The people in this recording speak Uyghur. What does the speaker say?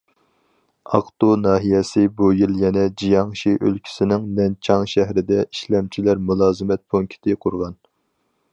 ئاقتۇ ناھىيەسى بۇ يىل يەنە جياڭشى ئۆلكىسىنىڭ نەنچاڭ شەھىرىدە ئىشلەمچىلەر مۇلازىمەت پونكىتى قۇرغان.